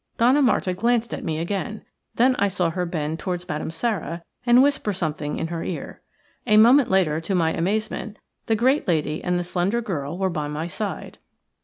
Donna Marta glanced at me again; then I saw her bend towards Madame Sara and whisper something in her ear. A moment later, to my amazement, the great lady and the slender girl were by my side.